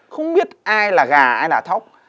không biết ai là gà ai là thóc